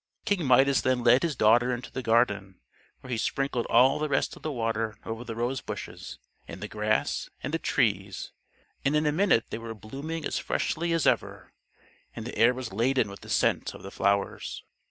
King Midas then led his daughter into the garden, where he sprinkled all the rest of the water over the rose bushes, and the grass, and the trees; and in a minute they were blooming as freshly as ever, and the air was laden with the scent of the flowers.